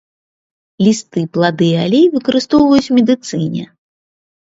Лісты, плады і алей выкарыстоўваюць у медыцыне.